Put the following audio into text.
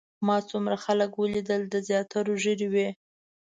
ما څومره خلک ولیدل د زیاترو ږیرې وې.